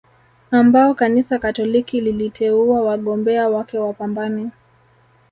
ambao Kanisa Katoliki liliteua wagombea wake wapambane